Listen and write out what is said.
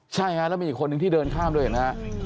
ใช่และมีคนหนึ่งที่เดินข้ามด้วยได้เห็นฮะ